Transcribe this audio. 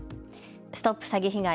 ＳＴＯＰ詐欺被害！